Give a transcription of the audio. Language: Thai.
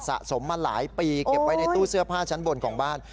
สะสมมาหลายปีเก็บไว้ในตู้เสื้อผ้าชั้นบนของบ้าน